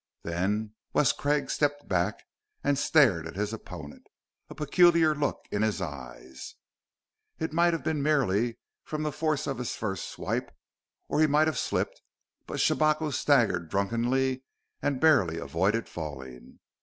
Then Wes Craig stepped back and stared at his opponent, a peculiar look in his eyes. It might have been merely from the force of his first swipe, or he might have slipped but Shabako staggered drunkenly and barely avoided falling.